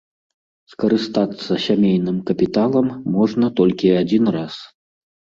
Скарыстацца сямейным капіталам можна толькі адзін раз.